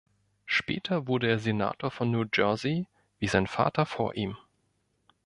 Später wurde er Senator von New Jersey, wie sein Vater vor ihm.